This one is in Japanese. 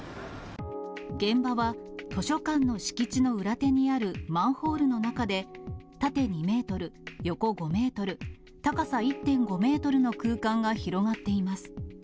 現場は図書館の敷地の裏手にあるマンホールの中で、縦２メートル、横５メートル、高さ１．５メートルの空間が広がっています。